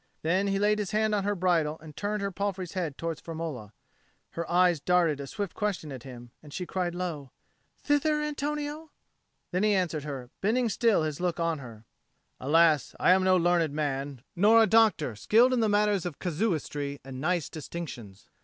Then he laid his hand on her bridle and turned her palfrey's head towards Firmola. Her eyes darted a swift question at him, and she cried low, "Thither, Antonio?" Then he answered her, bending still his look on her, "Alas, I am no learned man, nor a doctor skilled in matters of casuistry and nice distinctions.